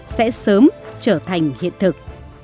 sẽ sớm trở thành hiện thực